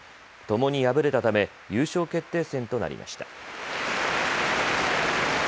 ともに敗れたため優勝決定戦となりました。